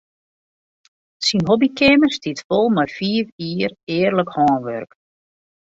Syn hobbykeamer stiet fol mei fiif jier earlik hânwurk.